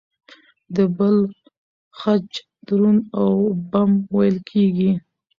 د بل خج دروند او بم وېل کېږي.